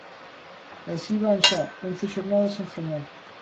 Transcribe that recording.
E así van xa once xornadas sen gañar.